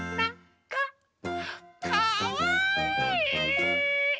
かわいい！